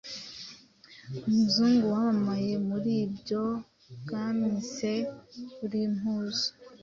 Umuzungu wamamaye muri ibyo bwamise kurimpuzu